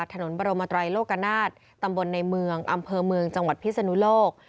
ถนนบรมไตรโลกนาฏตำบลในเมืองอำเภอเมืองจังหวัดพิศนุโลก